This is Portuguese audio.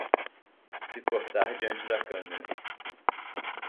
Se portar diante da câmera